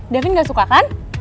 davin gak suka kan